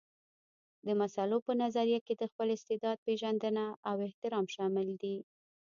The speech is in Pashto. د مسلو په نظريه کې د خپل استعداد پېژندنه او احترام شامل دي.